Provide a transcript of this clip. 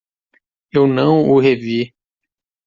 Eu não o revi.